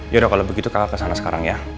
yaudah kalau begitu kakak ke sana sekarang ya